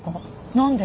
なんで？